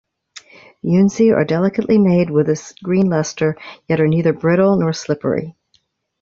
Yunzi are delicately made with a green luster yet are neither brittle nor slippery.